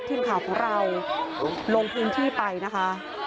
ทีมข่าวของเราลงพื้นที่ไปนะคะ